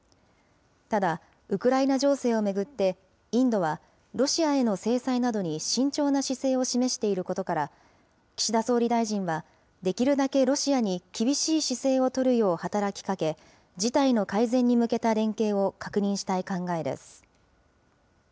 ただ、ウクライナ情勢を巡って、インドはロシアへの制裁などに慎重な姿勢を示していることから、岸田総理大臣はできるだけロシアに厳しい姿勢を取るよう働きかけ、事態の改善に向けた連携を確認したい考えです。